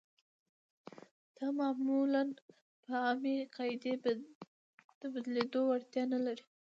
دا معمولاً په عامې قاعدې د بدلېدو وړتیا نلري.